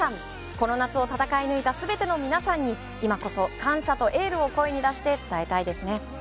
この夏を戦い抜いたすべての皆さんに今こそ感謝とエールを声に出して伝えたいですね。